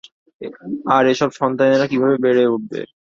আর এসব সন্তানেরা কীভাবে বেড়ে উঠবে?